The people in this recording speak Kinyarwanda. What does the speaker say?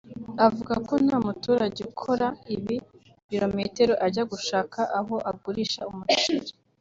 Avuga ko nta muturage ukora ibi bilometero ajya gushaka aho agurisha umuceri